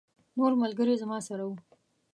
نور ملګري زما سره وو.